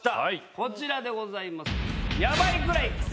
こちらでございます。